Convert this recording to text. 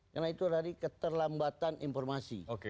karena itu dari keterlambatan informasi